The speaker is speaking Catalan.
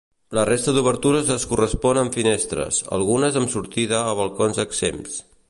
La resta d'obertures es correspon amb finestres, algunes amb sortida a balcons exempts.